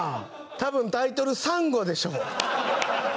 多分、タイトル「サンゴ」でしょう？